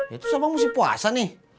ya terus abang mesti puasa nih